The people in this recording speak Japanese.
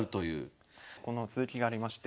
この続きがありまして。